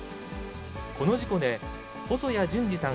この事故で、細谷純司さん